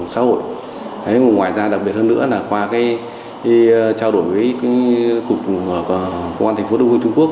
xã hội ngoài ra đặc biệt hơn nữa là qua trao đổi với cục công an thành phố đông hưng trung quốc